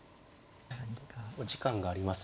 お時間があります。